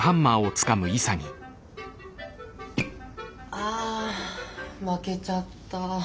あ負けちゃった。